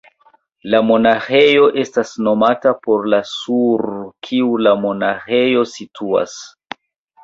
La monaĥejo estas nomita por la sur kiu la monaĥejo situas.